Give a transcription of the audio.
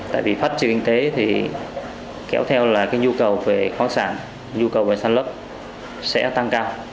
tại vì phát triển kinh tế thì kéo theo là cái nhu cầu về khoáng sản nhu cầu về săn lấp sẽ tăng cao